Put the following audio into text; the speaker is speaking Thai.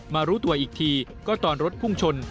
รู้ตัวอีกทีก็ตอนรถพุ่งชน